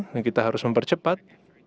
dan kita harus mempercepat